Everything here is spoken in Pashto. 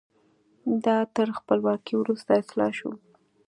دا تر خپلواکۍ وروسته اصلاح شو.